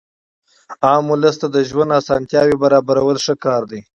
عام اولس ته د ژوندانه اسانتیاوي برابرول ښه کار دئ.